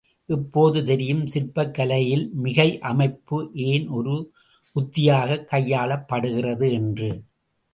இப்போது தெரியும் சிற்பக் கலையில் மிகை அமைப்பு ஏன் ஒரு உத்தியாகக் கையாளப்படுகிறது என்று.